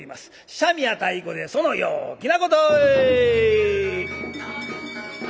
三味や太鼓でその陽気なことぇ！